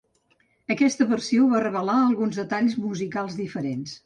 Aquesta versió va revelar alguns detalls musicals diferents.